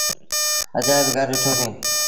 اجآئيب گھر ڏٺو سيٚݩ۔